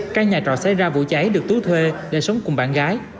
các nhà trò xảy ra vụ cháy được tú thuê để sống cùng bạn gái